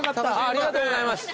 ありがとうございます。